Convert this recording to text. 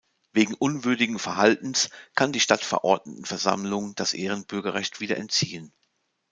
Wegen unwürdigen Verhaltens kann die Stadtverordnetenversammlung das Ehrenbürgerrecht wieder entziehen.